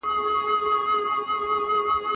خلک اوس په هیواد کي پانګونه کوي.